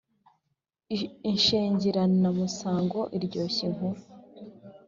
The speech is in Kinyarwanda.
Inshengeranamusango iryoshya inkuru